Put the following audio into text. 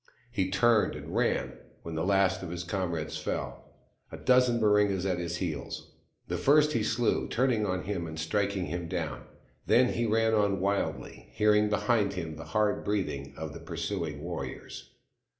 He turned and ran, when the last of his comrades fell, a dozen Baringas at his heels. The first he slew, turning on him and striking him down ; then he ran on wildly, hearing behind him the hard breathing of the pursuing warriors.